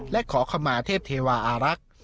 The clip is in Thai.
และขอขมาเทพเทวาอารักษ์